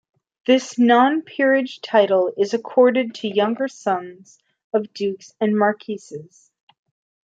This non-peerage title is accorded to younger sons of dukes and marquesses.